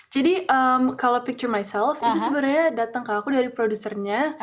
jadi kalau picture myself itu sebenarnya datang ke aku dari produsernya